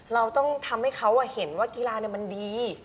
เราต้องทำให้เขาเห็นว่ากีฬามันดี